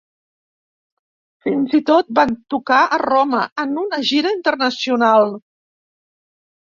Fins i tot van tocar a Roma, en una gira internacional.